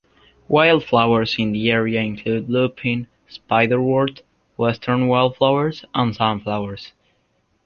Wildflowers in the area include lupin, spiderwort, western wallflower, and sunflowers.